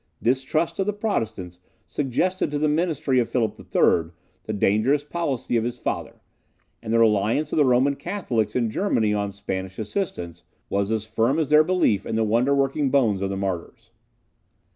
Distrust of the Protestants suggested to the ministry of Philip III. the dangerous policy of his father; and the reliance of the Roman Catholics in Germany on Spanish assistance, was as firm as their belief in the wonder working bones of the martyrs.